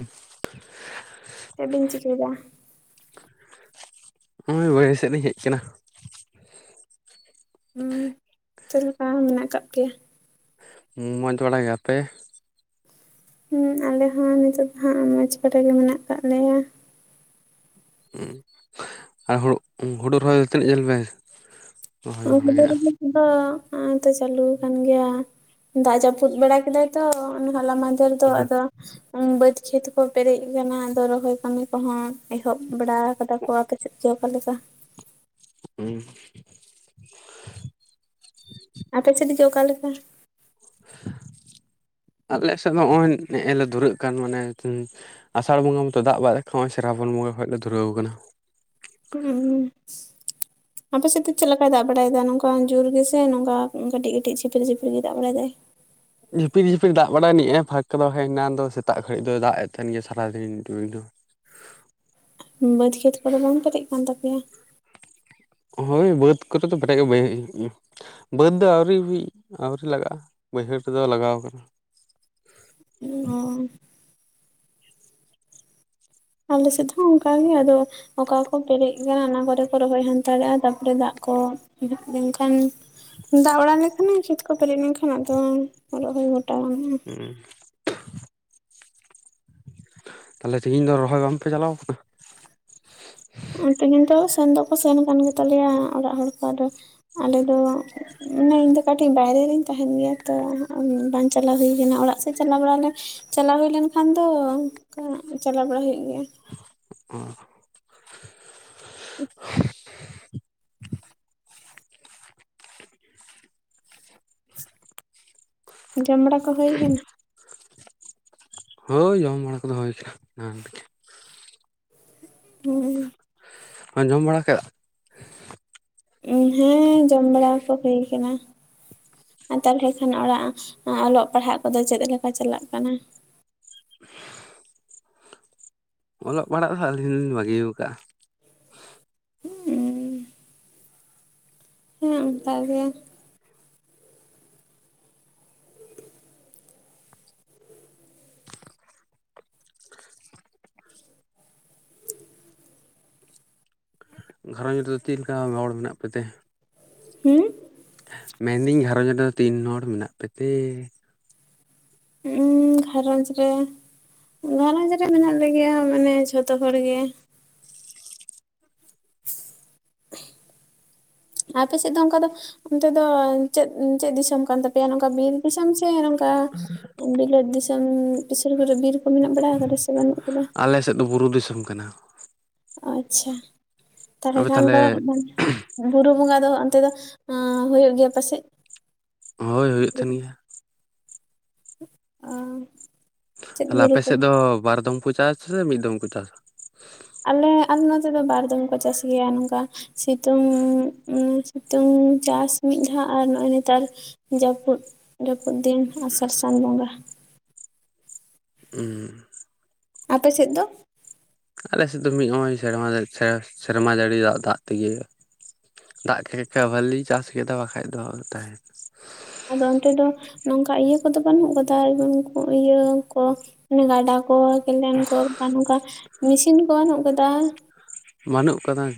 [inaudible] ᱪᱮᱫ ᱵᱤᱱ ᱪᱤᱠᱟᱹᱭ ᱮᱫᱟ? ᱦᱚᱸ-ᱚᱭ ᱵᱟᱹᱭᱦᱟ. ᱥᱮᱫ ᱞᱤᱧ ᱦᱮᱡ ᱟᱠᱟᱱᱟ ᱦᱩᱸ ᱪᱮᱫ ᱞᱮᱠᱟ ᱢᱮᱱᱟᱜ ᱟᱠᱟᱫ ᱯᱮᱭᱟ ᱢᱚᱸᱡᱽ ᱵᱟᱲ ᱜᱮ, ᱟᱯᱮ? ᱦᱮᱸ ᱟᱞᱮ ᱦᱚᱸ ᱱᱤᱛᱚᱜ ᱫᱚ ᱦᱟᱸᱜ ᱢᱚᱡᱽ ᱵᱟᱨᱟ ᱜᱮ ᱢᱮᱱᱟᱜ ᱟᱠᱟᱫ ᱞᱮᱭᱟ᱾ ᱩᱸ ᱟᱨ ᱦᱩᱲᱩ ᱨᱚᱦᱚᱭ ᱛᱤᱱᱟᱹᱜ ᱡᱷᱟᱞ ᱯᱮ? [unintelligible] ᱨᱚᱦᱚᱭ ᱫᱚ ᱵᱟᱲᱟ ᱠᱮᱜᱼᱟ ᱦᱚᱜᱼᱚᱭ ᱛᱚ ᱪᱟᱞᱩ ᱠᱟᱱᱟᱱ ᱜᱮᱭᱟ ᱫᱟᱜ ᱡᱟᱯᱩᱫ ᱵᱟᱲᱟ ᱠᱮᱫᱟᱭ ᱛᱚ ᱦᱚᱞᱟ ᱢᱟᱱᱫᱷᱮᱨ [unintelligible] ᱫᱚ ᱟᱫᱚ ᱵᱟᱹᱫᱽ ᱠᱷᱮᱛ ᱠᱚ ᱯᱮᱨᱮᱡ ᱟᱠᱟᱱᱟ ᱟᱫᱚ ᱨᱚᱦᱚᱭ ᱠᱟᱹᱢᱤ ᱠᱚᱦᱚᱸ ᱮᱦᱚᱵ ᱵᱟᱲᱟ ᱟᱠᱟᱫᱟ ᱠᱚ ᱟᱯ ᱥᱮᱫ ᱜᱮ ᱚᱠᱟ ᱞᱮᱠᱟ ᱦᱩᱸ ᱟᱯᱮ ᱥᱮᱫ ᱜᱮ ᱚᱠᱟ ᱞᱮᱠᱟ? [inaudible] ᱟᱞᱮ ᱥᱮᱫ ᱫᱚ ᱱᱚᱜᱼᱚᱭ ᱱᱮᱻᱮ ᱞᱮ ᱫᱷᱩᱨᱟᱹᱜ ᱠᱟᱱ ᱢᱟᱱᱮ ᱟᱥᱟᱲ ᱵᱚᱸᱜᱟ ᱢᱚᱛᱚ ᱫᱟᱜ ᱵᱟᱭ ᱞᱮᱠᱷᱟ ᱱᱚᱼᱚᱭ ᱥᱮ ᱨᱟᱵᱚᱱ ᱵᱚᱸᱜᱟ ᱠᱷᱚᱱᱚᱡ ᱞᱮ ᱫᱷᱩᱨᱟᱹᱣ ᱟᱠᱟᱱᱟ ᱦᱩᱸ ᱟᱯᱮ ᱥᱮᱫ ᱫᱚ ᱪᱮᱫ ᱞᱮᱠᱟᱭ ᱫᱟᱜ ᱵᱟᱲᱟᱭᱮᱫᱟ ᱱᱚᱝᱠᱟᱟᱱ ᱡᱳᱨ ᱜᱮᱥᱮ ᱱᱚᱝᱠᱟ ᱠᱟᱹᱴᱤᱡ ᱠᱟᱹᱴᱤᱡ ᱪᱷᱤᱯᱤᱨ ᱪᱷᱤᱯᱤᱨ ᱜᱮᱭ ᱫᱟᱜ ᱵᱟᱲᱟᱭ ᱫᱟᱭ ᱡᱷᱤᱯᱤᱨᱲ ᱡᱷᱤᱯᱤᱨᱲ ᱫᱟᱜ ᱵᱟᱲᱟᱭ ᱱᱤᱡᱼᱟᱭ ᱯᱷᱟᱸᱠᱟ ᱫᱚ ᱮᱱᱟ ᱫᱚ ᱥᱮᱛᱟᱜ ᱠᱷᱚᱱᱟᱹᱲᱤᱡ ᱫᱚ ᱫᱟᱜ ᱮ ᱛᱟᱦᱮᱱ ᱜᱮᱭᱟ ᱥᱟᱨᱟᱫᱤᱱ ᱫᱚ ᱵᱟᱹᱫᱽ ᱠᱷᱮᱛ ᱠᱚᱫᱚ ᱵᱟᱢ ᱯᱮᱨᱮᱡ ᱠᱟᱱ ᱛᱟᱯᱮᱭᱟ ᱦᱳᱭ ᱵᱟᱹᱫᱽ ᱠᱚᱫᱚ ᱛᱚ ᱜᱮ ᱵᱟᱹᱭ [inaudible] ᱵᱟᱹᱫᱽ ᱫᱚ ᱟᱹᱣᱨᱤ ᱟᱹᱣᱨᱤ ᱞᱟᱜᱟᱜᱼᱟ ᱵᱟᱹᱭᱦᱟᱹᱲ ᱠᱚ ᱫᱚ ᱞᱟᱜᱟᱣ ᱟᱠᱟᱱᱟ᱾ ᱚ ᱟᱞᱮ ᱥᱮᱫ ᱦᱚᱸ ᱚᱱᱠᱟ ᱜᱮ ᱟᱫᱚ ᱚᱠᱟ ᱠᱚ ᱯᱮᱨᱮᱡ ᱟᱠᱟᱱᱟ ᱚᱱᱟ ᱠᱚᱨᱮ ᱠᱚ ᱨᱚᱦᱚᱭ ᱦᱟᱱᱛᱟᱲ ᱮᱫᱟ ᱛᱟᱨᱯᱚᱨᱮ ᱫᱟᱜ ᱠᱚ ᱞᱮᱱᱠᱷᱟᱱ ᱫᱟᱜ ᱵᱟᱲᱟᱹ ᱞᱮᱠᱷᱟᱱ ᱠᱷᱮᱛ ᱠᱚ ᱯᱮᱨᱮᱡ ᱞᱮᱱᱠᱷᱟᱱ ᱟᱫᱚᱭᱜᱚᱭ ᱜᱚᱴᱟᱣ ᱜᱟᱱᱚᱜᱼᱟ [unintelligible] ᱛᱟᱦᱚᱞᱮ ᱛᱮᱦᱤᱧ ᱫᱚ ᱨᱚᱦᱚᱭ ᱵᱟᱝ ᱯᱮ ᱪᱟᱞᱟᱣ ᱟᱠᱟᱱᱟ ᱛᱮᱦᱮᱧ ᱫᱚ ᱥᱮᱱ ᱫᱚ ᱠᱚ ᱥᱮᱱ ᱟᱠᱟᱱ ᱜᱮ ᱛᱟᱞᱮᱭᱟ ᱚᱲᱟᱜ ᱦᱚᱲ ᱠᱚ ᱟᱫᱚ ᱟᱞᱮ ᱫᱚ ᱢᱮ ᱤᱧ ᱫᱚ ᱠᱟᱹᱴᱤᱡ ᱵᱟᱦᱨᱮ ᱨᱮᱹᱧ ᱛᱟᱦᱮᱱ ᱜᱮᱭᱟ ᱛᱚ ᱵᱟᱝ ᱪᱟᱞᱟᱣ ᱦᱩᱭ ᱟᱠᱟᱱᱟ ᱚᱲᱟᱜ ᱥᱮᱫ ᱛᱮ ᱪᱟᱞᱟᱣ ᱵᱟᱲᱟ ᱞᱮ ᱪᱟᱞᱟᱣ ᱦᱩᱭ ᱞᱮᱱ ᱠᱷᱟᱱ ᱫᱚ ᱚᱱᱠᱟ ᱪᱟᱞᱟᱣ ᱵᱟᱲᱟ ᱦᱩᱭᱩᱜ ᱜᱮᱭᱟ [unintelligible] ᱡᱟᱢ ᱵᱟᱲᱟ ᱠᱚ ᱦᱩᱭ ᱠᱟᱱᱟ ᱦᱳᱭ ᱡᱚᱢ ᱵᱟᱲᱟ ᱠᱚᱫᱚ ᱦᱩᱭ ᱠᱟᱱᱟ [unintelligible] ᱡᱚᱢ ᱵᱟᱲᱟ ᱠᱮᱫᱟᱜ ᱦᱮᱸ ᱡᱚᱢ ᱵᱟᱲᱟ ᱠᱚ ᱦᱩᱭ ᱠᱟᱱᱟ ᱛᱟᱦᱚᱞᱮ ᱠᱷᱟᱱ ᱚᱲᱟᱜ ᱚᱞᱚᱜ ᱯᱟᱲᱦᱟᱜ ᱠᱚ ᱫᱚ ᱪᱮᱫ ᱞᱮᱠᱟ ᱪᱟᱞᱟᱜ ᱠᱟᱱᱟ [unintelligible] ᱚᱞᱚᱜ ᱯᱟᱲᱦᱟᱜ ᱦᱚᱸ ᱟᱹᱞᱤᱧ ᱞᱤᱧ ᱵᱟᱹᱜᱤ ᱟᱠᱟᱜᱼᱟ [unintelligible] ᱦᱮᱸ ᱚᱱᱠᱟ ᱜᱮ ᱜᱷᱟᱨᱚᱸᱡᱽ ᱨᱮ ᱫᱚ ᱪᱮᱫ ᱞᱮᱠᱟ ᱢᱮᱱᱟᱜ ᱯᱮ ᱛᱮ ᱦᱩᱸ ᱢᱮᱱ ᱫᱟᱹᱧ ᱜᱷᱟᱨᱚᱸᱡᱽ ᱨᱮ ᱫᱚ ᱛᱤᱱ ᱦᱚᱲ ᱢᱮᱱᱟᱜ ᱯᱮ ᱛᱮ ᱦᱩᱸ ᱜᱷᱟᱨᱚᱸᱡᱽ ᱨᱮ ᱜᱷᱟᱨᱚᱸᱡᱽ ᱨᱮ ᱢᱮᱱᱟᱜ ᱞᱮ ᱜᱮᱭᱟ ᱢᱟᱱᱮ ᱡᱚᱛᱚ ᱦᱚᱲ ᱜᱮ [unintelligible] ᱟᱯᱮ ᱥᱮᱫ ᱫᱚ ᱚᱱᱠᱟ ᱫᱚ ᱚᱱᱛᱮ ᱫᱚ ᱪᱮᱫ ᱪᱮᱫ ᱫᱤᱥᱚᱢ ᱠᱟᱱ ᱛᱟᱯᱮᱭᱟ ᱱᱚᱝᱠᱟ ᱵᱤᱨ ᱫᱤᱥᱚᱢ ᱥᱮ ᱱᱚᱝᱠᱟ ᱵᱤᱞᱟᱹᱛ ᱫᱤᱥᱚᱢ ᱥᱩᱨ ᱠᱚᱨᱮ ᱵᱤᱨ ᱠᱚ ᱢᱮᱱᱟᱜ ᱵᱟᱲᱟ ᱟᱠᱟᱫᱟ ᱥᱮ ᱵᱟᱹᱱᱩᱜ ᱟᱠᱟᱫᱟ ᱟᱞᱮ ᱥᱮᱫ ᱫᱚ ᱵᱩᱨᱩ ᱫᱤᱥᱚᱢ ᱠᱟᱱᱟ ᱟᱪᱪᱷᱟ ᱛᱟᱦᱚᱞᱮ ᱠᱷᱟᱱ ᱫᱚ ᱵᱩᱨᱩ ᱵᱚᱸᱜᱟ ᱫᱚ ᱚᱱᱛᱮ ᱫᱚ ᱦᱩᱭᱩᱜ ᱜᱮᱭᱟ ᱟᱯᱮ ᱥᱮᱫ ᱦᱚᱭ ᱦᱩᱭᱩᱜ ᱛᱟᱦᱮᱱ ᱜᱮᱭᱟ [inaudible] ᱪᱮᱫ ᱛᱟᱦᱞᱮ ᱵᱩᱨᱩ ᱟᱯᱮ ᱠᱚ? ᱥᱮᱫ ᱫᱚ ᱵᱟᱨ ᱫᱚᱢ ᱠᱚ ᱪᱟᱥᱟ ᱥᱮ ᱢᱤᱫ ᱫᱚᱢ ᱠᱚ ᱪᱟᱥᱟ ᱟᱞᱮ ᱟᱞᱮ ᱱᱚᱛᱮ ᱫᱚ ᱵᱟᱨ ᱫᱚᱢ ᱠᱚ ᱪᱟᱥ ᱜᱮᱭᱟ ᱱᱚᱝᱠᱟ ᱥᱤᱛᱩᱝ ᱥᱤᱛᱩᱝ ᱪᱟᱥ ᱢᱤᱫ ᱫᱷᱟ ᱟᱨ ᱱᱚᱜᱼᱚᱭ ᱱᱮᱛᱟᱨ ᱡᱟᱹᱯᱩᱫ ᱡᱟᱹᱯᱩᱫ ᱫᱤᱱ ᱟᱥᱟᱲ ᱥᱟᱱ ᱵᱚᱸᱜᱟ [unintelligible] ᱟᱯᱮ ᱥᱮᱫ ᱫᱚ ᱟᱞᱮ ᱥᱮᱫ ᱫᱚ ᱢᱤᱫ ᱦᱚᱸᱭ ᱥᱮᱨᱢᱟ ᱥᱮᱨᱢᱟ ᱡᱟᱹᱲᱤ ᱫᱟᱜ ᱛᱮ ᱜᱮ ᱤᱭᱟᱹᱭᱟᱭ ᱫᱟᱜ ᱠᱮ [unintelligible] ᱵᱷᱟᱹᱞᱤᱧ ᱪᱟᱥ ᱠᱮᱫᱟ ᱵᱟᱠᱷᱟᱡ ᱫᱚ ᱛᱟᱦᱮᱱᱟ ᱟᱫᱚ ᱚᱱᱛᱮ ᱫᱚ ᱱᱚᱝᱠᱟ ᱤᱭᱟᱹ ᱠᱚ ᱫᱚ ᱵᱟᱹᱱᱩᱜ ᱠᱟᱫᱟ ᱩᱱᱠᱩ ᱤᱭᱟᱹ ᱠᱚ ᱜᱟᱰᱟ ᱠᱚ ᱠᱮᱱᱮᱞ ᱠᱚ ᱚᱱᱠᱟ ᱱᱚᱝᱠᱟ ᱢᱤᱥᱤᱱ ᱠᱚ ᱵᱟᱹᱱᱩᱜ ᱟᱠᱟᱫᱟ ᱵᱟᱹᱱᱩᱜ ᱟᱠᱟᱫᱟ [inaudible]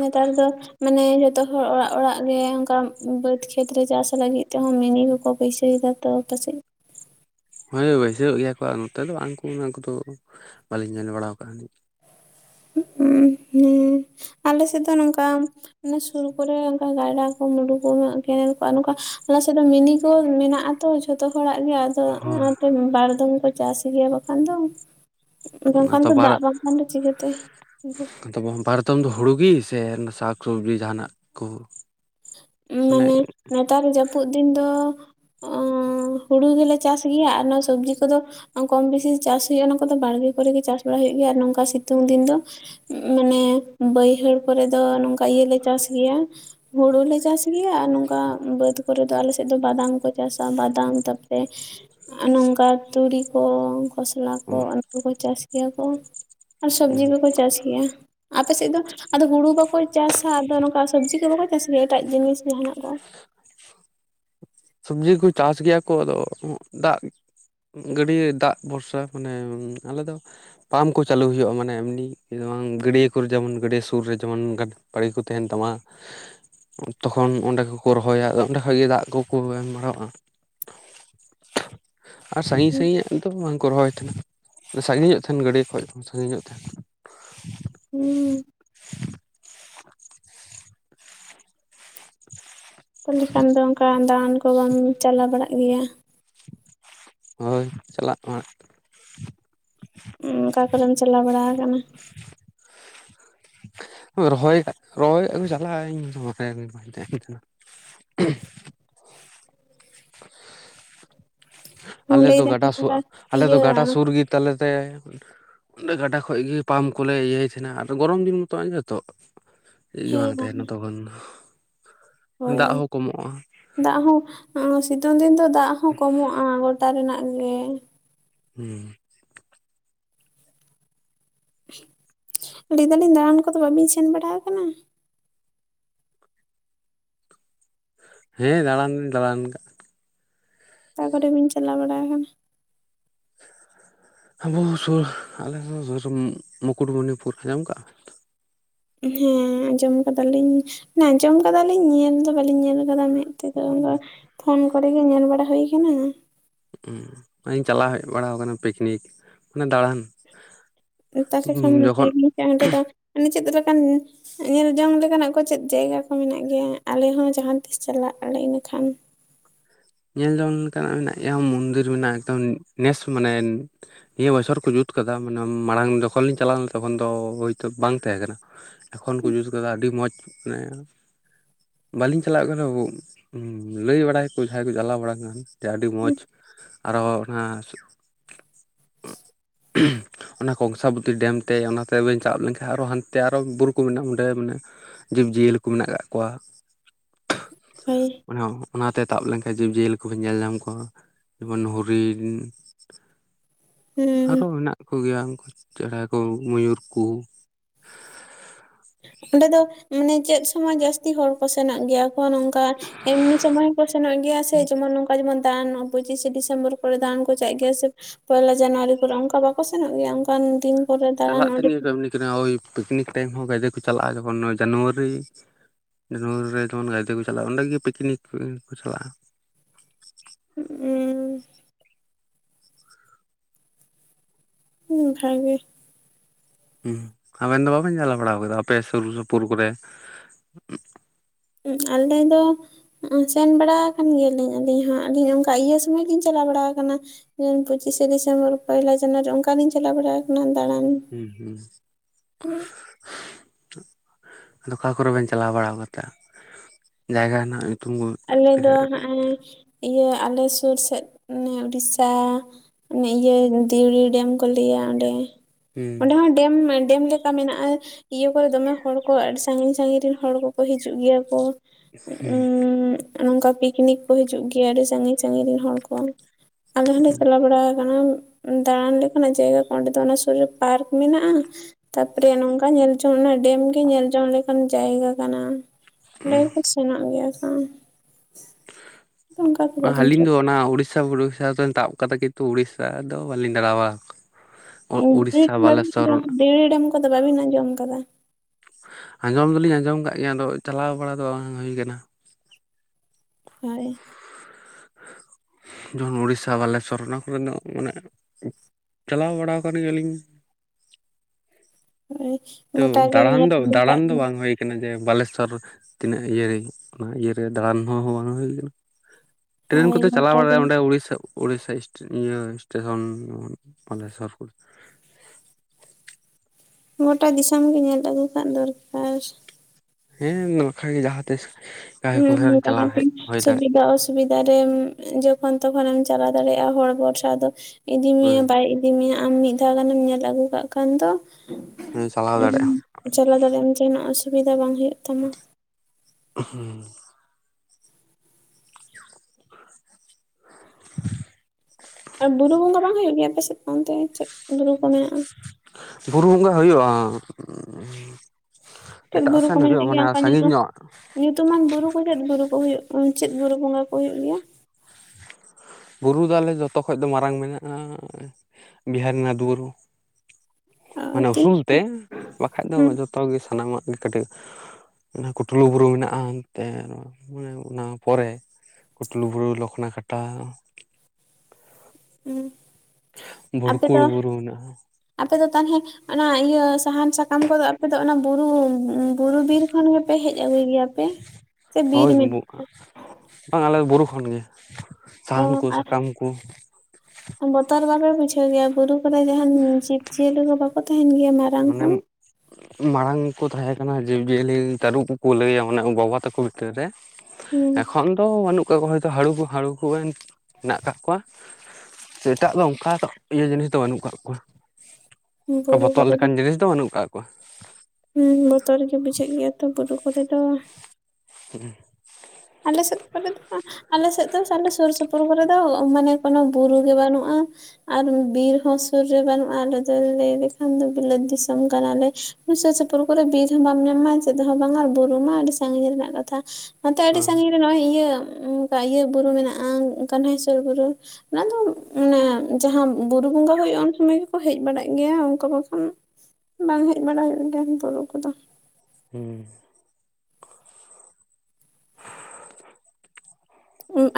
ᱱᱮᱛᱟᱨ ᱫᱚ ᱢᱟᱱᱮ ᱡᱚᱛᱚ ᱦᱚᱲ ᱚᱲᱟᱜ ᱚᱲᱟᱜ ᱜᱮ ᱚᱱᱠᱟ ᱵᱟᱹᱫᱽ ᱠᱷᱮᱛ ᱨᱮ ᱪᱟᱥ ᱞᱟᱹᱜᱤᱫ ᱛᱮ ᱦᱚᱸ ᱢᱤᱱᱤ ᱦᱚᱸ ᱠᱚ ᱯᱟᱹᱭᱥᱟᱹ ᱮᱫᱟ ᱛᱚ ᱯᱟᱥᱮᱫ ᱦᱚᱭ ᱵᱟᱹᱭᱥᱟᱹᱣᱮᱜ ᱜᱮᱭᱟ ᱠᱚ ᱱᱚᱛᱮ ᱫᱚ [unintelligible] ᱠᱚᱫᱚ ᱵᱟᱹᱞᱤᱧ ᱧᱮᱞ ᱵᱟᱲᱟ ᱟᱠᱟ [inaudible] ᱦᱩᱸ ᱟᱞᱮ ᱥᱮᱫ ᱫᱚ ᱱᱚᱝᱠᱟ ᱚᱱᱮ ᱥᱩᱨ ᱠᱚ ᱨᱮ ᱚᱱᱠᱟ ᱜᱟᱰᱟ ᱠᱚ ᱢᱩᱰᱩ ᱠᱚ ᱠᱮᱱᱮᱞ ᱠᱚ ᱟᱨ ᱱᱚᱝᱠᱟ ᱟᱞᱮ ᱥᱮᱫ ᱫᱚ ᱢᱤᱱᱤ ᱠᱚ ᱢᱮᱱᱟᱜᱼᱟ ᱛᱚ ᱡᱚᱛᱚ ᱦᱚᱲᱟᱜ ᱜᱮ ᱟᱫᱚ ᱦᱳᱭ ᱵᱟᱨ ᱫᱚᱢ ᱠᱚ ᱪᱟᱥ ᱜᱮᱭᱟ ᱵᱟᱠᱷᱟᱱ ᱫᱚ ᱵᱟᱝ ᱠᱷᱟᱱ ᱛᱚ ᱫᱚ ᱵᱟᱨ ᱫᱟᱜ ᱵᱟᱝ ᱠᱷᱟᱱ ᱫᱚ ᱪᱤᱠᱟᱹ ᱛᱮ ᱛᱚ ᱵᱟᱨ ᱫᱚᱢ ᱫᱚ ᱦᱩᱲᱩ ᱜᱮ ᱥᱮ ᱥᱟᱠ-ᱥᱚᱵᱽᱡᱤ ᱡᱟᱦᱟᱸ ᱱᱟᱜ ᱠᱚ ᱢᱟᱱᱮ ᱱᱮᱛᱟᱨ ᱡᱟᱹᱯᱩᱫ ᱫᱤᱱ ᱫᱚᱻ ᱦᱩᱲᱩ ᱫᱚᱞᱮ ᱪᱟᱥ ᱜᱮᱭᱟ ᱟᱨ ᱱᱚᱣᱟ ᱥᱚᱵᱡᱤ ᱠᱚᱫᱚ ᱠᱚᱢ ᱵᱮᱥᱤ ᱪᱟᱥ ᱦᱩᱭᱩᱜᱼᱟ ᱚᱱᱟ ᱠᱚᱫᱚ ᱵᱟᱲᱜᱮ ᱠᱚᱨᱮ ᱜᱮ ᱪᱟᱥ ᱵᱟᱲᱟ ᱦᱩᱭᱩᱜ ᱜᱮᱭᱟ ᱟᱨ ᱱᱚᱝᱠᱟ ᱥᱤᱛᱩᱝ ᱫᱤᱱ ᱫᱚ ᱢᱟᱱᱮ ᱵᱟᱹᱭᱦᱟᱹᱲ ᱠᱚᱨᱮ ᱫᱚ ᱱᱚᱝᱠᱟ ᱤᱭᱟᱹᱞᱮ ᱪᱟᱥ ᱜᱮᱭᱟ ᱦᱩᱲᱩ ᱞᱮᱮ ᱪᱟᱥ ᱜᱮᱭᱟ ᱱᱚᱝᱠᱟ ᱵᱟᱹᱫᱽ ᱠᱚᱨᱮ ᱫᱚ ᱟᱞᱮ ᱥᱮᱫ ᱫᱚ ᱵᱟᱫᱟᱢ ᱠᱚ ᱪᱟᱥᱼᱟ ᱵᱟᱫᱟᱢ ᱛᱟᱯᱚᱨᱮ ᱟᱨ ᱱᱚᱝᱠᱟ ᱛᱩᱲᱤ ᱠᱚ ᱠᱷᱚᱥᱞᱟ ᱠᱚ ᱚᱱᱟ ᱠᱚᱠᱚ ᱪᱟᱥ ᱜᱮᱭᱟ ᱠᱚ ᱟᱨ ᱥᱚᱵᱡᱤ ᱠᱚᱠᱚ ᱪᱟᱥ ᱜᱮᱭᱟ ᱟᱯᱮ ᱥᱮᱫ ᱫᱚ ᱟᱫᱚ ᱦᱩᱲᱩ ᱵᱟᱠᱚ ᱪᱟᱥᱟ ᱟᱫᱚ ᱱᱚᱝᱠᱟ ᱥᱚᱵᱽᱡᱤ ᱠᱚ ᱵᱟᱠᱚ ᱪᱟᱥ ᱜᱮᱭᱟ ᱮᱴᱟᱜ ᱡᱤᱱᱤᱥ ᱡᱟᱦᱟᱱᱟᱜ ᱠᱚ ᱥᱚᱵᱡᱤ ᱠᱚ ᱪᱟᱥ ᱜᱮᱭᱟ ᱠᱚ ᱟᱫᱚ ᱫᱟᱜ ᱜᱟᱹᱰᱭ ᱫᱟᱜ ᱵᱷᱚᱨᱥᱟ ᱢᱟᱱᱮ ᱟᱞᱮ ᱫᱚ ᱯᱟᱢᱯ ᱠᱚ ᱪᱟᱹᱞᱩ ᱦᱩᱭᱩᱜᱼᱟ ᱢᱟᱱᱮ ᱮᱢᱱᱤ ᱡ ᱵᱟᱝ ᱜᱟᱹᱰᱭᱟᱹ ᱠᱚᱨᱮ ᱡᱮᱢᱚᱱ ᱜᱟᱹᱰᱭᱟᱹ ᱥᱩᱨ ᱨᱮ ᱡᱮᱢᱚᱱ ᱚᱱᱠᱟᱱ ᱵᱟᱟᱹᱲᱤ ᱠᱚ ᱛᱟᱦᱮᱱ ᱛᱟᱢᱟ ᱛᱚᱠᱷᱚᱱ ᱚᱸᱰᱮ ᱠᱚᱠᱚ ᱨᱚᱦᱚᱭᱟ ᱚᱸᱰᱮ ᱠᱷ ᱜᱮ ᱫᱟᱜ ᱠᱚ ᱠᱚ ᱮᱢ ᱵᱟᱲᱟᱜᱼᱟ ᱟᱨ ᱥᱟᱺᱜᱤᱧ ᱥᱟᱺᱜᱤᱧ ᱫᱚ ᱵᱟᱝᱠᱚ ᱨᱚᱦᱚᱭ ᱛᱟᱦᱮᱱᱟ ᱥᱟᱺᱜᱤᱧ ᱧᱚᱜ ᱛᱟᱦᱮᱱ ᱜᱟᱹᱰᱤ ᱠᱷᱚᱱ ᱥᱟᱺᱜᱤᱧ ᱧᱚᱜ ᱛᱟᱦᱮᱱ ᱦᱩᱸ ᱛᱟᱞᱮᱠᱷᱟᱱ ᱫᱚ ᱚᱱᱠᱟ ᱫᱟᱬᱟᱱ ᱠᱚ ᱵᱟᱢ ᱪᱟᱞᱟᱣ ᱵᱟᱲᱟᱜ ᱜᱮᱭᱟ ᱦᱳᱭ ᱪᱟᱞᱟᱜ-ᱟ ᱚᱠᱟ ᱠᱚᱨᱮᱢ ᱪᱟᱞᱟᱣ ᱵᱟᱲᱟ ᱟᱠᱟᱱᱟ ᱨᱚᱦᱚᱭ ᱨᱚᱦᱚᱭ ᱠᱚ ᱪᱟᱞᱟᱜᱼᱟ ᱤᱧᱟᱭ ᱟᱞᱮ ᱞᱟᱹᱭ ᱫᱚ ᱫᱟᱞᱤᱧ ᱜᱟᱰᱟ ᱥᱩᱨ ᱱᱚᱝᱠᱟ ᱟᱞᱮ ᱫᱚ ᱤᱭᱟᱹ ᱜᱟᱰᱟ ᱥᱩᱨ ᱜᱮ ᱛᱟᱞᱮᱛᱮ ᱚᱸᱰᱮ ᱜᱟᱰᱟ ᱠᱷᱚᱱᱚᱡ ᱜᱮ ᱯᱟᱢᱯ ᱠᱚᱞᱮ ᱤᱭᱟᱹᱭ ᱛᱟᱦᱮᱱᱟ ᱟᱫᱚ ᱜᱚᱨᱚᱢ ᱫᱤᱱ ᱢᱚᱛᱚ ᱟᱡᱮᱛᱚ ᱪᱮᱫ ᱜᱮ ᱦᱮᱸ ᱵᱟᱝ ᱛᱟᱦᱮᱱᱟ ᱛᱚᱠᱷᱚᱱ ᱦᱳᱭ ᱫᱟᱜ ᱦᱚᱸ ᱠᱚᱢᱚᱜᱼᱟ ᱫᱟᱜ ᱦᱚᱸ ᱥᱤᱛᱩᱝ ᱫᱤᱱ ᱫᱚ ᱫᱟᱜ ᱦᱚᱸ ᱠᱚᱢᱚᱜᱼᱟ ᱜᱚᱴᱟ ᱨᱮᱱᱟᱜ ᱜᱮ ᱦᱮᱸ ᱞᱟᱹᱭ ᱫᱟᱞᱤᱧ ᱫᱟᱬᱟᱱ ᱠᱚᱫᱚ ᱵᱟᱟᱹᱵᱤᱱ ᱥᱮᱱ ᱵᱟᱲᱟᱠᱟᱱᱟ ᱦᱮᱸ ᱫᱟᱬᱟᱱ ᱫᱤᱧ ᱫᱟᱬᱟᱱ ᱟᱠᱟᱫᱟᱜ ᱚᱠᱟ ᱠᱚᱨᱮ ᱵᱤᱧ ᱪᱟᱞᱟᱣ ᱵᱟᱲᱟ ᱟᱠᱟᱱᱟ ᱟᱵᱚ ᱥᱩᱨ ᱟᱞᱮ ᱢᱩᱠᱩᱴᱢᱩᱱᱤᱯᱩᱨ ᱧᱟᱢ ᱟᱠᱟᱟᱜᱼᱟ ᱦᱮᱸ ᱟᱸᱡᱚᱢ ᱠᱟᱫᱟᱞᱤᱧ ᱟᱸᱡᱚᱢ ᱠᱟᱫᱟᱞᱤᱧ ᱧᱮᱞ ᱫᱚ ᱵᱟᱟᱹᱞᱤᱧ ᱧᱮᱞ ᱟᱠᱟᱫᱟ ᱢᱮᱸᱫ ᱛᱮᱫᱚ ᱵᱟᱝ ᱯᱷᱳᱱ ᱠᱚᱨᱮᱜ ᱜᱮ ᱧᱮᱞ ᱵᱟᱲᱟ ᱦᱩᱭ ᱟᱠᱟᱱᱟ ᱪᱟᱞᱟᱣ ᱦᱮᱡ ᱵᱟᱲᱟ ᱟᱠᱟᱱᱟ ᱯᱤᱠᱱᱤᱠ ᱢᱟᱱᱮ ᱫᱟᱬᱟᱱ ᱛᱟᱦᱚᱞᱮ ᱠᱷᱟᱱ ᱡᱚᱠᱷᱚᱱ ᱯᱤᱠᱱᱤᱠ ᱦᱟᱸᱰᱮ ᱫᱚ ᱪᱮᱫ ᱞᱮᱠᱟᱱ ᱧᱮᱞ ᱡᱚᱝ ᱞᱮᱠᱟᱱᱟᱜ ᱠᱚ ᱪᱮᱫ ᱡᱟᱭᱜᱟ ᱠᱚ ᱢᱮᱱᱟᱜ ᱜᱮᱭᱟ ᱟᱞᱮ ᱦᱚᱸ ᱡᱟᱦᱟᱸ ᱛᱤᱥ ᱪᱟᱞᱟᱜ ᱟᱞᱮ ᱤᱱᱟᱹᱠᱷᱟᱱ ᱧᱮᱞ ᱡᱚᱝ ᱞᱮᱠᱟᱱᱟᱜ ᱢᱮᱱᱟᱜᱼᱟ ᱜᱮᱭᱟ ᱢᱚᱱᱫᱤᱨ ᱢᱮᱱᱟᱜᱼᱟ ᱮᱠᱫᱚᱢ ᱱᱮᱥ ᱢᱟᱱᱮ ᱱᱤᱭᱟᱹ ᱵᱚᱪᱷᱚᱨ ᱠᱚ ᱡᱩᱛ ᱠᱟᱫᱟ ᱢᱟᱱᱮ ᱱᱤᱭᱟᱹ ᱵᱚᱪᱷᱚᱨ ᱠᱩ ᱡᱩᱫ ᱟᱠᱟᱫᱟ ᱢᱟᱲᱟᱝ ᱡᱚᱠᱷᱚᱱ ᱞᱤᱧ ᱪᱟᱞᱟᱣ ᱞᱮᱱᱟ ᱛᱚᱠᱷᱚᱱ ᱫᱚ ᱦᱳᱭᱛᱳ ᱵᱟᱝ ᱛᱟᱦᱮᱸ ᱠᱟᱱᱟ᱾ ᱮᱠᱷᱚᱱ ᱠᱚ ᱡᱩᱛ ᱟᱠᱟᱫᱟ ᱟᱹᱰᱤ ᱢᱚᱸᱡᱽ ᱢᱟᱱᱮ ᱵᱟᱹᱞᱤᱧ ᱪᱟᱞᱟᱜ ᱠᱟᱱᱟ ᱞᱟᱹᱭ ᱵᱟᱲᱟᱭᱟᱠᱚ ᱡᱟᱦᱟᱸ ᱠᱚ ᱪᱟᱞᱟᱣ ᱵᱟᱲᱟ ᱠᱟᱱ ᱟᱹᱰᱤ ᱢᱚᱸᱡᱽ ᱟᱨᱚ ᱚᱱᱟ [inaudible] [unintelligible] ᱚᱱᱟ ᱠᱚᱝᱥᱟᱵᱚᱛᱤ ᱰᱮᱢ ᱛᱮ ᱚᱱᱟᱛᱮᱵᱤᱱ ᱪᱟᱵ ᱞᱮᱱᱠᱷᱟᱱ ᱟᱨ ᱦᱟᱱᱛᱮ ᱟᱨᱚ ᱵᱩᱨᱩ ᱠᱚ ᱢᱮᱱᱟᱜᱼᱟ ᱚᱸᱰᱮ ᱢᱟᱱᱮ ᱡᱤᱵᱽᱡᱤᱭᱟᱹᱞᱤ ᱠᱚ ᱢᱮᱱᱟᱜ ᱟᱠᱟᱫ ᱠᱚᱣᱟ ᱦᱳᱭ ᱚᱱᱟ ᱚᱱᱟᱛᱮ ᱛᱟᱵ ᱞᱮᱱᱠᱷᱟᱱ ᱡᱤᱵᱽᱼᱡᱤᱭᱟᱹᱞᱤ ᱠᱚᱵᱚᱱ ᱧᱮᱞ ᱧᱟᱢ ᱠᱚᱣᱟ ᱡᱮᱢᱚᱱ ᱦᱚᱨᱤᱱ ᱦᱩᱸ ᱟᱨᱚ ᱢᱮᱱᱟᱜ ᱠᱚᱜᱮᱭᱟ ᱩᱱᱠᱩ ᱪᱮᱬᱮ ᱠᱚ ᱢᱚᱭᱩᱨ ᱠᱚ ᱚᱸᱰᱮ ᱫᱚ ᱢᱟᱱᱮ ᱪᱮᱫ ᱥᱚᱢᱚᱭ ᱡᱟᱹᱥᱛᱤ ᱦᱚᱲ ᱠᱚ ᱥᱮᱱᱚᱜ ᱜᱮᱭᱟ ᱠᱚ ᱱᱚᱝᱠᱟ ᱮᱢᱱᱤ ᱥᱚᱢᱚᱭ ᱠᱚ ᱥᱮᱱᱚᱜ ᱜᱮᱭᱟ ᱥᱮ ᱡᱮᱢᱚᱱ ᱱᱚᱝᱠᱟ ᱡᱮᱢᱚᱱ ᱫᱟᱬᱟᱱ ᱱᱚᱜ ᱯᱚᱸᱪᱤᱥᱮ ᱰᱤᱥᱮᱢᱵᱚᱨ ᱠᱚᱨᱮ ᱫᱟᱬᱟᱱ ᱠᱚ ᱪᱟᱜ ᱜᱮᱭᱟ ᱥᱮ ᱯᱚᱭᱞᱟ ᱡᱟᱱᱩᱣᱟᱨᱤ ᱠᱚᱨᱮ ᱚᱱᱠᱟ ᱵᱟᱠᱚ ᱥᱮᱱᱚᱜ ᱜᱮᱭᱟ ᱚᱱᱠᱟᱱ ᱫᱤᱱ ᱠᱚᱨᱮ ᱫᱟᱬᱟᱱ ᱪᱟᱞᱟᱜ ᱛᱟᱦᱮᱱ ᱚᱸᱰᱮ ᱜᱮᱭᱟ ᱠᱚ ᱮᱢᱤ ᱠᱟᱱᱟ ᱳᱭ ᱯᱤᱠᱱᱤᱠ ᱴᱟᱭᱤᱢ ᱦᱚᱸ ᱜᱟᱮ ᱠᱚ ᱪᱟᱞᱟᱜᱼᱟ ᱡᱮᱢᱚᱱ ᱡᱟᱱᱩᱣᱟᱨᱤ ᱨᱮ ᱡᱮᱢᱚᱱ ᱜᱟᱛᱮ ᱠᱚ ᱪᱟᱞᱟᱜᱼᱟ ᱚᱸᱰᱮ ᱜᱮ ᱯᱤᱠᱱᱤᱠ ᱠᱚ ᱪᱟᱞᱟᱜᱼᱟ ᱦᱮᱸ ᱦᱩᱸ ᱵᱷᱟᱜᱮ ᱦᱩᱸ ᱟᱵᱮᱱ ᱫᱚ ᱵᱟᱵᱮᱱ ᱪᱟᱞᱟᱣ ᱵᱟᱲᱟ ᱟᱠᱟᱱᱟ ᱟᱯᱮ ᱥᱩᱨ ᱥᱩᱯᱩᱨ ᱠᱚᱨᱮ ᱩᱸ ᱟᱞᱮ ᱫᱚ ᱥᱮᱱ ᱵᱟᱲᱟ ᱟᱠᱟᱱ ᱜᱮᱭᱟᱞᱤᱧ ᱟᱹᱞᱤᱧ ᱦᱚᱸ ᱟᱹᱞᱤᱧ ᱚᱱᱠᱟ ᱤᱭᱟᱹ ᱥᱚᱢᱚᱭ ᱞᱤᱧ ᱪᱟᱞᱟᱣ ᱵᱟᱲᱟ ᱟᱠᱟᱱᱟ᱾ ᱮ ᱯᱚᱸᱪᱤᱥᱮ ᱰᱤᱥᱮᱢᱵᱚᱨ ᱯᱚᱭᱞᱟ ᱡᱟᱱᱩᱣᱟᱨᱤ ᱚᱱᱠᱟ ᱞᱤᱧ ᱪᱟᱞᱟᱣ ᱵᱟᱲᱟ ᱟᱠᱟᱱᱟ ᱫᱟᱬᱟᱱ᱾ ᱦᱩᱸ ᱦᱩᱸ ᱦᱩᱸ ᱟᱫᱚ ᱚᱠᱟ ᱠᱚᱨᱮ ᱵᱮᱱ ᱪᱟᱞᱟᱣ ᱵᱟᱲᱟ ᱠᱟᱛᱮ ᱡᱟᱭᱜᱟ ᱦᱮᱱᱟᱜ ᱟᱞᱮ ᱫᱚ ᱦᱟᱜᱼᱚᱭ ᱤᱭᱟᱹ ᱟᱞᱮ ᱥᱩᱨ ᱥᱮᱫ ᱚᱱᱮ ᱩᱲᱤᱥᱥᱟ ᱚᱱᱮ ᱤᱭᱟᱹ ᱫᱤᱣᱲᱤ ᱰᱮᱢ ᱠᱚ ᱞᱟᱹᱭᱟ ᱚᱸᱰᱮ ᱦᱩᱸ ᱚᱸᱰᱮ ᱦᱚᱸ ᱰᱮᱢ ᱢᱟ ᱰᱮᱢ ᱞᱮᱠᱟ ᱢᱮᱱᱟᱜᱼᱟ ᱤᱭᱟᱹ ᱠᱚᱨᱮ ᱫᱚᱢᱮ ᱦᱚᱲ ᱠᱚ ᱟᱹᱰᱤ ᱥᱟᱹᱜᱤᱧ ᱥᱟᱹᱜᱤᱧ ᱨᱮᱱ ᱦᱚᱲ ᱠᱚᱠᱚ ᱦᱤᱡᱩᱜ ᱜᱮᱭᱟ ᱠᱚ ᱩᱸ ᱱᱚᱝᱠᱟ ᱯᱤᱠᱱᱤᱠ ᱠᱚ ᱦᱤᱡᱩᱜ ᱜᱮᱭᱟ ᱟᱹᱰᱤ ᱥᱟᱺᱜᱤᱧ ᱥᱟᱜᱤᱧ ᱨᱮᱱ ᱦᱚᱲ ᱠᱚ ᱟᱞᱮ ᱦᱚᱸᱞᱮ ᱪᱟᱞᱟᱣ ᱵᱟᱲᱟᱜ ᱫᱟᱬᱟᱱ ᱞᱮᱠᱟᱱᱟᱜ ᱡᱟᱭᱜᱟ ᱠᱚ ᱚᱸᱰᱮ ᱫᱚ ᱚᱱᱟ ᱥᱩᱨ ᱨᱮ ᱯᱟᱨᱠ ᱢᱮᱱᱟᱜᱼᱟ ᱛᱟᱯᱚᱨᱮ ᱱᱚᱝᱠᱟ ᱧᱮᱞ ᱡᱚᱝ ᱨᱮᱱᱟᱜ ᱰᱮᱢ ᱜᱮ ᱧᱮᱞ ᱡᱚᱝ ᱞᱮᱠᱟᱱ ᱡᱟᱭᱜᱟ ᱠᱟᱱᱟ᱾ ᱚᱸᱰᱮ ᱜᱮᱠᱚ ᱥᱮᱱᱚᱜ ᱜᱮᱭᱟ ᱠᱚ ᱚᱱᱠᱟ ᱫᱚ ᱵᱟᱹᱞᱤᱧ ᱟᱹᱞᱤᱧ ᱫᱚ ᱚᱱᱟ ᱩᱲᱤᱥᱟ ᱩᱲᱤᱥᱥᱟ ᱩᱲᱤᱥᱥᱟ ᱫᱚ ᱛᱟᱵ ᱠᱟᱫᱟ ᱠᱤᱱᱛᱩ ᱩᱲᱤᱥᱥᱟ ᱫᱚ ᱵᱟᱹᱞᱤᱧ ᱫᱟᱬᱟᱣᱟ [unintelligible] ᱰᱮᱣᱨᱤ ᱰᱮᱢ ᱠᱚᱫᱚ ᱵᱟᱵᱤᱱ ᱟᱸᱡᱚᱢ ᱟᱠᱟᱫᱟ ᱟᱸᱡᱚᱢ ᱫᱚᱞᱤᱧ ᱟᱸᱡᱚᱢ ᱟᱠᱟᱜ ᱜᱮᱭᱟ ᱟᱫᱚ ᱪᱟᱞᱟᱣ ᱵᱟᱲᱟ ᱫᱚ ᱵᱟᱝ ᱦᱩᱭ ᱟᱠᱟᱱᱟ᱾ ᱦᱳᱭ [inaudible] ᱡᱮᱢᱚᱱ ᱩᱲᱤᱥᱥᱟ ᱵᱟᱞᱮᱥᱥᱚᱨ ᱚᱱᱟ ᱠᱚᱨᱮ ᱫᱚ ᱢᱟᱱᱮ ᱪᱟᱞᱟᱣ ᱵᱟᱲᱟ ᱟᱠᱟᱱ ᱜᱮᱭᱟ ᱞᱤᱧ ᱟᱨ ᱛᱚ ᱫᱟᱲᱟᱱ ᱫᱚ ᱫᱟᱲᱟᱱ ᱫᱚ ᱵᱟᱝ ᱦᱩᱭ ᱟᱠᱟᱱᱟ ᱡᱮ ᱵᱟᱞᱮᱥᱥᱚᱨ ᱛᱤᱱᱟᱹᱜ ᱤᱭᱮ ᱚᱱᱟ ᱤᱭᱟᱹᱨᱮ ᱫᱟᱬᱟᱱ ᱦᱚᱸ ᱵᱟᱝ ᱦᱩᱭ ᱟᱠᱟᱱᱟ᱾ ᱴᱨᱮᱱ ᱦᱳᱭ ᱠᱚᱛᱮ ᱪᱟᱞᱟᱣ ᱜᱚᱴᱟ ᱜᱮ ᱵᱟᱲᱟᱭᱟ ᱚᱸᱰᱮ ᱩᱲᱤᱥᱥᱟ ᱲᱤᱥᱥᱟ ᱤᱭᱟᱹ ᱥᱴᱮᱥᱚᱱ ᱵᱟᱞᱮᱥᱥᱚᱨ ᱥᱩᱨ ᱜᱚᱴᱟ ᱫᱤᱥᱚᱢ ᱜᱮ ᱧᱮᱞ ᱟᱹᱜᱩ ᱠᱟᱜ ᱫᱚᱨᱠᱟᱨ ᱦᱮᱸ ᱱᱚᱝᱠᱟᱜ ᱜᱮ ᱡᱟᱦᱟᱸ ᱛᱤᱥ ᱡᱟᱦᱟᱸᱭ ᱦᱩᱸ ᱠᱚ ᱥᱵᱤᱫᱷᱟ ᱚ ᱪᱟᱞᱟᱣ ᱦᱮᱡ ᱦᱩᱭ ᱫᱟᱲᱮᱭᱟᱜᱼᱟ ᱥᱩᱵᱤᱫᱟ ᱚᱥᱩᱵᱤᱫᱟ ᱨᱮᱢ ᱡᱚᱠᱷᱚᱱ ᱛᱚᱠᱷᱚᱱᱮᱢ ᱪᱟᱞᱟᱣ ᱫᱟᱲᱮᱭᱟᱜᱼᱟ ᱦᱚᱲ ᱵᱷᱚᱨᱥᱟ ᱫᱚ ᱤᱫᱤ ᱢᱮᱭᱟᱭ ᱵᱟᱭ ᱤᱫᱤ ᱢᱮ ᱤᱫᱤᱢᱭᱟ ᱟᱢ ᱢᱤᱫ ᱫᱷᱟᱣ ᱜᱟᱱᱮᱢ ᱧᱮᱞ ᱟᱹᱜᱩ ᱠᱟᱜ ᱠᱷᱟᱱ ᱫᱚ ᱦᱮᱸᱪᱟᱞᱟᱣ ᱩᱸ ᱫᱟᱲᱮᱭᱟᱜᱼᱟ᱾ ᱪᱟᱞᱟᱣ ᱫᱟᱲᱮᱭᱟᱜ ᱟᱢ ᱡᱟᱦᱟᱸᱱᱟᱜ ᱚᱥᱩᱵᱤᱫᱟ ᱵᱟᱝ ᱦᱩᱭᱩᱜ ᱛᱟᱢᱟ᱾ ᱦᱮᱸ [unintelligible] [unintelligible] ᱟᱨ ᱵᱩᱨᱩ ᱵᱚᱸᱜᱟ ᱵᱟᱝ ᱦᱩᱭᱩᱜ ᱜᱮᱭᱟ ᱟᱯᱮ ᱥᱮᱫ ᱳᱱ ᱚᱱᱛᱮ ᱪᱮᱫ ᱵᱩᱨᱩ ᱠᱚ ᱢᱮᱱᱟᱜᱼᱟ? ᱵᱩᱨᱩ ᱵᱚᱸᱜᱟ ᱦᱩᱭᱩᱜᱼᱟ᱾ ᱪᱮᱫ ᱮᱴᱟᱜ ᱵᱩᱨᱩ ᱠᱚ ᱥᱮᱱ ᱢᱮᱱᱟᱜ ᱦᱩᱭᱩᱜᱼᱟ ᱜᱮᱭᱟ ᱢᱟᱱᱮ ᱚᱱᱠᱟ ᱥᱟᱺᱜᱤᱧ ᱧᱩᱛᱩᱢ ᱧᱚᱜ, ᱧᱩᱛᱩᱢᱟᱱ ᱵᱩᱨᱩ ᱠᱚ ᱪᱮᱫ ᱵᱩᱨᱩ ᱠᱚ ᱦᱩᱭᱩᱜᱼᱟ, ᱪᱮᱫ ᱵᱩᱨᱩ ᱵᱚᱸᱜᱟ ᱠᱚ ᱦᱩᱭᱩᱜ ᱜᱮᱭᱟ? ᱵᱩᱨᱩ ᱫᱚ ᱟᱞᱮ ᱡᱚᱛᱚ ᱠᱷᱚᱡ ᱫᱚ ᱢᱟᱨᱟᱝ ᱢᱮᱱᱟᱜᱼᱟ ᱵᱤᱦᱟᱨᱤ ᱨᱮᱱᱟᱜ ᱵᱩᱨᱩ ᱟᱨ ᱢᱟᱱᱮ ᱛᱤᱱ ᱩᱥᱩᱞ ᱛᱮ ᱵᱟᱠᱷᱟᱡ ᱫᱚ ᱦᱩᱸ ᱡᱚᱛᱚᱜᱮ ᱥᱟᱱᱟᱢᱟᱜ ᱜᱮ ᱠᱟᱹᱴᱤᱡ ᱚᱱᱟ ᱠᱩᱴᱩᱞᱩ ᱵᱩᱨᱩ ᱢᱮᱱᱟᱜᱼᱟ ᱟᱱᱛᱮ ᱚᱱᱟ ᱯᱚᱨᱮ ᱠᱩᱴᱞᱩ ᱵᱩᱨᱩ ᱞᱚᱠᱷᱱᱟ ᱠᱟᱴᱟ, ᱦᱩᱸ ᱟᱯᱮ ᱵᱷᱩᱲᱠᱩᱲ ᱫᱚ ᱵᱩᱨᱩ ᱢᱮᱱᱟᱜᱼᱟ᱾ ᱟᱯᱮ ᱫᱚ ᱛᱟᱦᱚᱞᱮ ᱚᱱᱟ ᱤᱭᱟᱹ ᱥᱟᱦᱟᱱ ᱥᱟᱠᱟᱢ ᱠᱚᱫᱚ ᱟᱯᱮᱫ ᱫᱚ ᱚᱱᱟ ᱵᱩᱨᱩ ᱵᱩᱨᱩ ᱵᱤᱨ ᱠᱷᱚᱱᱜᱯᱮ ᱦᱮᱡ ᱟᱹᱜᱩᱭ ᱜᱮᱭᱟ? ᱯᱮ ᱥᱮ ᱵᱤᱨ ᱦᱳᱭ ᱢᱮ ᱵᱟᱝ ᱟᱞᱮ ᱵᱩᱨᱩ ᱠᱷᱚᱱ ᱜᱮ ᱚ ᱥᱟᱦᱟᱱ ᱠᱚ ᱟᱨ ᱥᱟᱠᱟᱢ ᱠᱚ ᱵᱚᱛᱚᱨ ᱫᱚᱯᱮ ᱵᱩᱡᱷᱟᱹᱣ ᱜᱮᱭᱟ ᱵᱩᱨᱩ ᱠᱚᱨᱮ ᱡᱟᱦᱟᱱ ᱡᱤᱵ ᱡᱤᱭᱟᱹᱞᱤ ᱠᱚ ᱵᱟᱠᱚ ᱛᱟᱦᱮᱱ ᱜᱮᱭᱟ ᱢᱟᱫ? ᱢᱟᱱᱮ ᱢᱟᱲᱟᱝ ᱠᱚ ᱛᱟᱦᱮᱸ ᱠᱟᱱᱟ ᱡᱤᱵᱽᱡᱤᱭᱟᱹᱞᱤ ᱛᱟᱹᱨᱩᱵᱽ ᱠᱚᱠᱚ ᱞᱟᱹᱭᱟ ᱚᱱᱮ ᱵᱟᱵᱟ ᱛᱟᱠᱚ ᱢᱤᱫᱴᱮᱱ ᱨᱮ ᱦᱩᱸ ᱮᱠᱷᱚᱱ ᱫᱚ ᱵᱟᱹᱱᱩᱜ ᱠᱟᱜ ᱠᱚᱣᱟ ᱠᱚ ᱢᱮᱱᱟᱜ ᱠᱟᱜ ᱠᱚᱣᱟ᱾ ᱥᱮ ᱮᱴᱟᱜ ᱫᱚ ᱚᱱᱠᱟ ᱤᱭᱟᱹ ᱡᱤᱱᱤᱥ ᱫᱚ ᱵᱟᱹᱱᱩᱜ ᱠᱟᱜ ᱠᱚᱣᱟ᱾ ᱵᱩᱨᱩ ᱵᱚᱛᱚᱨ ᱠᱚᱨᱮ ᱞᱮᱠᱟᱱ ᱡᱤᱱᱤᱥ ᱫᱚ ᱵᱟᱹᱱᱩᱜ ᱟᱠᱟᱟᱜ ᱠᱚᱣᱟ᱾ ᱦᱮᱸ ᱵᱚᱛᱚᱨ ᱜᱮ ᱵᱩᱡᱷᱟᱹᱜ ᱜᱮᱭᱟ ᱛᱚ ᱵᱩᱨᱩ ᱠᱚᱨᱮ ᱫᱚ ᱦᱮᱸ ᱟᱞᱮ ᱥᱮᱫ ᱟᱞᱮ ᱥᱮᱫ ᱫᱚᱞ ᱥᱩᱨ ᱥᱩᱯᱩᱨ ᱯᱚᱨ ᱠᱚ ᱨᱮ ᱫᱚ ᱢᱟᱱᱮ ᱠᱳᱚᱱᱳ ᱵᱩᱨᱩ ᱜᱮ ᱵᱟᱹᱱᱩᱜᱼᱟ᱾ ᱟᱨ ᱵᱤᱨ ᱦᱚᱸ ᱥᱩᱨ ᱨᱮ ᱵᱟᱹᱱᱩᱜᱼᱟ ᱟᱞᱮ ᱫᱚᱞᱮ ᱞᱟᱹᱭ ᱞᱮᱠᱷᱟᱱ ᱫᱚ ᱵᱤᱞᱟᱹᱛ ᱫᱤᱥᱚᱢ ᱠᱟᱱᱟᱞᱮ ᱥᱩᱨ ᱥᱩᱯᱩᱨ ᱠᱚᱨᱮ ᱵᱤᱨ ᱦᱚᱸ ᱵᱟᱢ ᱧᱟᱢᱟ ᱪᱮᱫ ᱦᱚᱸ ᱵᱟᱝᱟ ᱵᱩᱨᱩ ᱟᱹᱰᱤ ᱥᱟᱺᱜᱤᱧ ᱨᱮᱱᱟᱜ ᱠᱟᱛᱷᱟ ᱱᱛᱮ ᱟᱹᱰᱤ ᱦᱳᱭ ᱥᱟᱺᱜᱤᱧ ᱨᱮ ᱱᱚᱜᱼᱚᱭ ᱤᱭᱟᱹ ᱚᱱᱠᱟ ᱤᱭᱟᱹ ᱵᱩᱨᱩ ᱢᱮᱱᱟᱜᱼᱟ ᱠᱟᱱᱦᱮᱥᱥᱚᱨ ᱵᱩᱨᱩ ᱚᱱᱟ ᱫᱚ ᱢᱟᱱᱮ ᱡᱟᱦᱟᱸ ᱵᱩᱨᱩ ᱵᱚᱸᱜᱟ ᱦᱩᱭᱩᱜᱼᱟ ᱩᱱ ᱥᱚᱢᱚᱭ ᱜᱮᱠᱚ ᱦᱮᱡ ᱵᱟᱲᱟᱜ ᱜᱮᱭᱟ ᱚᱱᱠᱟ ᱵᱟᱝᱠᱷᱟᱱ ᱵᱟᱝ ᱦᱮᱡ ᱵᱟᱲᱟ ᱦᱩᱭᱩᱜ ᱜᱮᱭᱟ ᱵᱩᱨᱩ ᱠᱚᱫᱚ ᱦᱮᱸ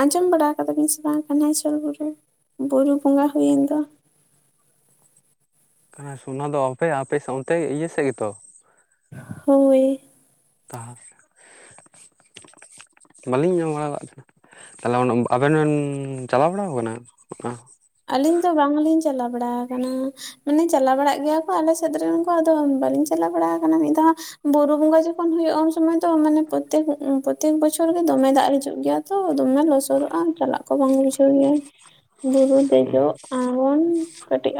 ᱟᱸᱡᱚᱢ ᱵᱟᱲᱟ ᱠᱟᱫᱟ ᱵᱤᱱ ᱥᱮ ᱵᱟᱝ ᱠᱟᱱᱟᱦᱭᱥᱳᱨ ᱵᱩᱨᱩ ᱨᱮ ᱵᱩᱨᱩ ᱵᱚᱸᱜᱟ ᱦᱩᱭᱮᱱ ᱫᱚ ᱠᱟᱱᱟ ᱥᱚ ᱚᱱᱟ ᱫᱚ ᱟᱯᱮ ᱟᱯᱮ ᱚᱱᱛᱮ ᱤᱭᱟᱹ ᱥᱮᱫ ᱜᱮᱛᱚ ᱦᱳᱭ ᱛᱟᱦ [unintelligible] ᱵᱟᱹᱞᱤᱧ ᱮᱢᱟᱢ ᱵᱟᱲᱟ ᱟᱠᱟᱫ ᱛᱟᱦᱮᱱᱟ᱾ ᱛᱟᱦᱚᱞᱮ ᱟᱵᱮᱱ ᱵᱮᱱ ᱪᱟᱞᱟᱣ ᱵᱟᱲᱟ ᱟᱠᱟᱱᱟ? ᱟᱹᱞᱤᱧ ᱫᱚ ᱵᱟᱝᱞᱤᱧ ᱪᱟᱞᱟᱣ ᱵᱟᱲᱟ ᱟᱠᱟᱱᱟ᱾ ᱢᱟᱱᱮ ᱪᱟᱞᱟᱣ ᱵᱟᱲᱟᱜ ᱜᱮᱭᱟ ᱠᱚ ᱟᱞᱮ ᱥᱮᱫ ᱨᱮᱱ ᱠᱚ ᱟᱫᱚ ᱵᱟᱹᱞᱤᱧ ᱪᱟᱞᱟᱣ ᱵᱟᱲᱟ ᱠᱟᱱᱟ ᱢᱤᱫ ᱫᱷᱟᱣ ᱦᱚᱸ ᱵᱩᱨᱩ ᱵᱚᱸᱜᱟ ᱡᱚᱠᱷᱚᱱ ᱦᱩᱭᱩᱜᱼᱟ ᱩᱱ ᱥᱚᱢᱚᱭ ᱫᱚ ᱢᱟᱱᱮ ᱯᱨᱚᱛᱠ ᱯᱨᱚᱛᱛᱮᱠ ᱵᱚᱪᱷᱚᱨ ᱜᱮ ᱫᱚᱢᱮ ᱫᱟᱜ ᱦᱤᱡᱩᱜ ᱜᱮᱭᱟ ᱛᱚ ᱫᱚᱢᱮ ᱞᱚᱥᱚᱫᱚᱜᱼᱟ ᱪᱟᱞᱟᱜ ᱠᱚ ᱵᱟᱝ ᱵᱩᱡᱷᱟᱹᱣ ᱜᱮᱭᱟ ᱵᱩᱨᱩ ᱫᱮᱡᱚᱜ ᱟᱲᱜᱚᱱ ᱠᱟᱹᱴᱤᱡ